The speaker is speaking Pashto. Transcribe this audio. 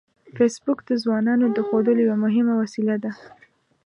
فېسبوک د ځوانانو د ښودلو یوه مهمه وسیله ده